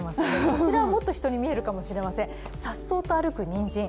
こちらはもっと人に見えるかもしれません、さっそうと歩くにんじん。